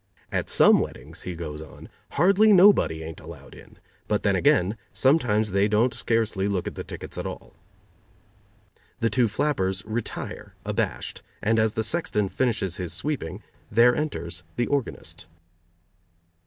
At some weddings, he goes on, hardly nobody ain't allowed in, but then again, sometimes they don't scarcely look at the tickets at all. The two flappers retire abashed, and as the sexton finishes his sweeping, there enters the organist.